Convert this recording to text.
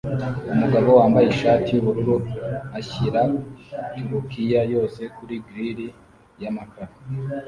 Umugabo wambaye ishati yubururu ashyira turukiya yose kuri grill yamakara